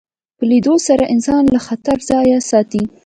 په لیدلو سره انسان له خطرو ځان ساتي